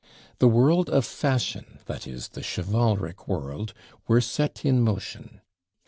The world of fashion, that is, the chivalric world, were set in motion.